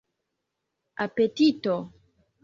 apetito